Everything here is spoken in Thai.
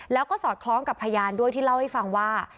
แล้วก็สอดคล้องกับพยานด้วยที่เล่าให้ฟังว่า